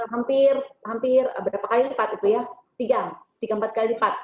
hampir hampir berapa kali lipat itu ya tiga empat kali lipat